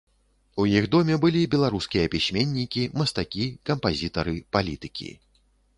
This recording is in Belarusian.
У іх доме былі беларускія пісьменнікі, мастакі, кампазітары, палітыкі.